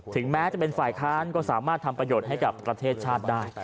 แม้จะเป็นฝ่ายค้านก็สามารถทำประโยชน์ให้กับประเทศชาติได้